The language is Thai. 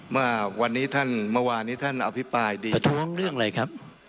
เมื่อวันนี้ท่านเมื่อวานนี้ท่านอภิปรายดีประท้วงเรื่องอะไรครับ